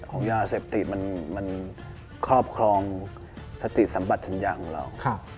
ยาเสพติดมันครอบครองสติสัมบัติสัญญาของเรา